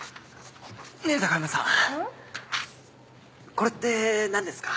これって何ですか？